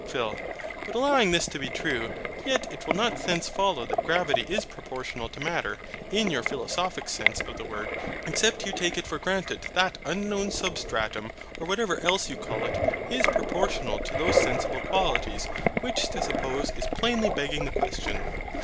PHIL. But, allowing this to be true, yet it will not thence follow that gravity is proportional to MATTER, in your philosophic sense of the word; except you take it for granted that unknown SUBSTRATUM, or whatever else you call it, is proportional to those sensible qualities; which to suppose is plainly begging the question.